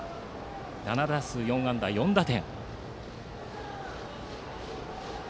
７打数４安打４打点。